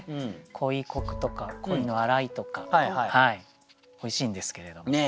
鯉こくとか鯉の洗いとかおいしいんですけれども。